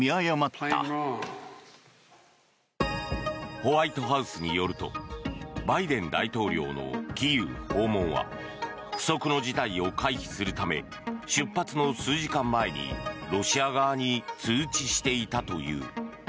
ホワイトハウスによるとバイデン大統領のキーウ訪問は不測の事態を回避するため出発の数時間前にロシア側に通知していたという。